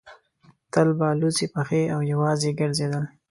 تل به لڅې پښې او یوازې ګرځېد.